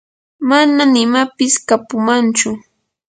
manam imapis kapumanchu.